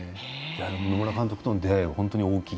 野村監督との出会いは本当に大きい。